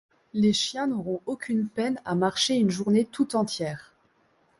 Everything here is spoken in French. Les chiens n’auront aucune peine à marcher une journée tout entière.